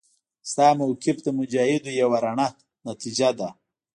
ستا موقف د مجاهدو یوه رڼه نتیجه ده.